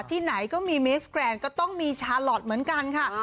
ที่ไหนก็มีมิสแกรนก็ต้องมีชาลอทเหมือนกันค่ะ